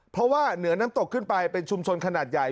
เพราะว่าเหนือน้ำตกขึ้นไปเป็นชุมชนขนาดใหญ่